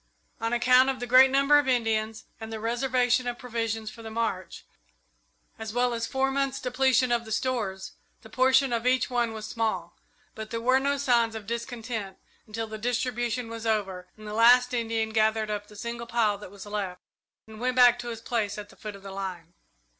On account of the great number of Indians and the reservation of provisions for the march, as well as four months' depletion of the stores, the portion of each one was small; but there were no signs of discontent until the distribution was over and the last Indian gathered up the single pile that was left and went back to his place at the foot of the line.